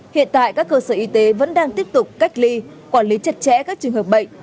hiện tại các cơ sở y tế vẫn đang tiếp tục cách ly quản lý chặt chẽ các trường hợp bệnh